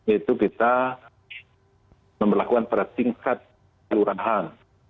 itu kita memperlakukan pada singkat diurahan